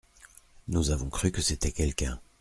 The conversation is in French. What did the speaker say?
Nous avons cru que c’était quelqu’un.